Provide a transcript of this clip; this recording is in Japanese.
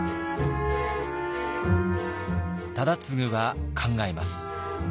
忠次は考えます。